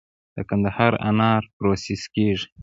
د قندهار انار پروسس کیږي؟